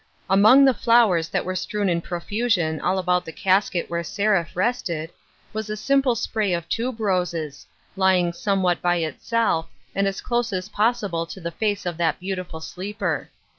AMONG the flowers that were strewn in pro fusion all about the casket where Seraph rested, was a single spray of tuberoses, lying somewhat by itself and as close as possible to the face of the beautiful sleeper.